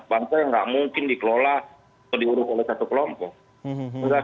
bangsa yang nggak mungkin dikelola atau diurus oleh satu kelompok